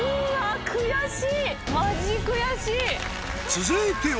続いては